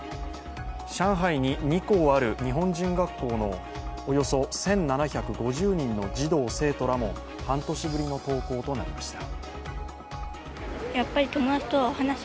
上海に２校ある日本人学校のおよそ１７５０人の児童・生徒らも半年ぶりの登校となりました。